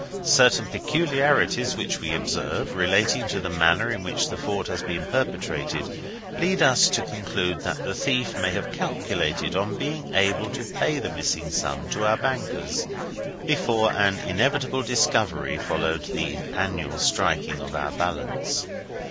Certain peculiarities which we observe, relating to the manner in which the fraud has been perpetrated, lead us to conclude that the thief may have calculated on being able to pay the missing sum to our bankers, before an inevitable discovery followed the annual striking of our balance.